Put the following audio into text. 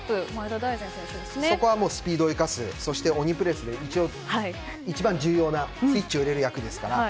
そこはスピードを生かすそして、鬼プレスで一番重要なスイッチを入れる役ですから。